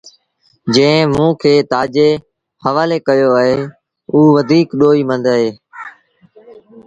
جنٚهنٚ موٚنٚ کي تآجي هوآلي ڪيو اهي اوٚ وڌيٚڪ ڏوهيٚ اهي۔